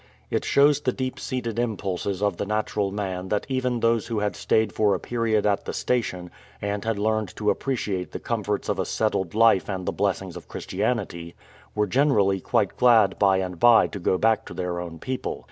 It shows the deep seated impulses of the natural man that even those who had stayed for a period at the station, and had learned to appreciate the comforts of a settled life and the blessings of Christianity, were generally quite glad by and by to go back to their own people.